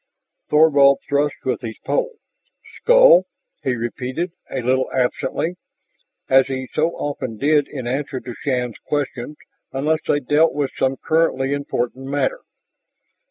Thorvald thrust with his pole. "Skull?" he repeated, a little absently, as he so often did in answer to Shann's questions unless they dealt with some currently important matter.